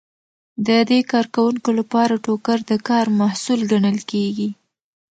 د دې کارکوونکو لپاره ټوکر د کار محصول ګڼل کیږي.